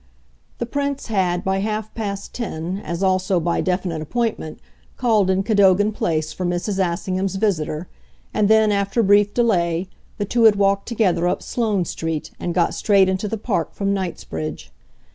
The Prince had, by half past ten as also by definite appointment called in Cadogan Place for Mrs. Assingham's visitor, and then, after brief delay, the two had walked together up Sloane Street and got straight into the Park from Knightsbridge.